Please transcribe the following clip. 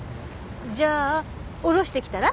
じゃあ下ろしてきたら？